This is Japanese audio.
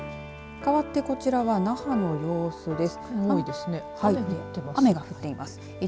かわってこちらは那覇の様子です。